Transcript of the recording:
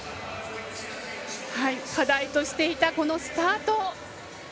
課題としていた、スタート。